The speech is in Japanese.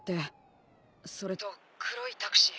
それと黒いタクシー。